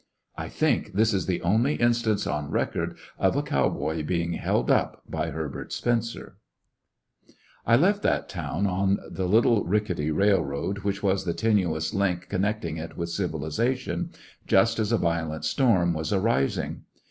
I think this is the only instance on record of a cow boy being "held up " by Herbert Spencer. Asandbliz' I left that town on the little rickety rail road which was the tenuous link connecting it with civilization, just as a violent storm was arising.